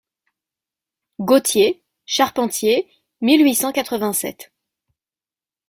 GAUTIER (Charpentier, mille huit cent quatre-vingt-sept.